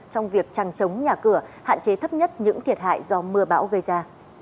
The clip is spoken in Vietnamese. trong việc trăng chống nhà cửa hạn chế thấp nhất những thiệt hại do mưa bão gây ra